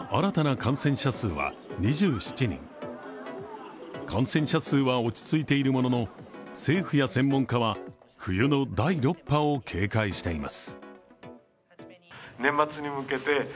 感染者数は落ち着いているものの、政府や専門家は冬の第６波を警戒しています。